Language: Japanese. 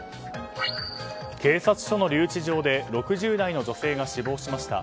警察署の留置場で６０代の女性が死亡しました。